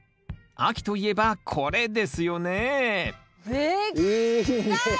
秋といえばこれですよねでっかい！